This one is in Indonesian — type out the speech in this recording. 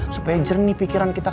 supaya jernih pikiran kita